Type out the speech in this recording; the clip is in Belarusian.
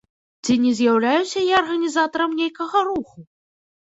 Ці не з'яўляюся я арганізатарам нейкага руху?